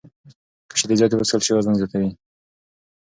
که شیدې زیاتې وڅښل شي، وزن زیاتوي.